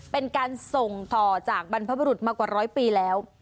เป็นการส่งต่อจากบรรพบรุษมากว่าร้อยปีแล้ว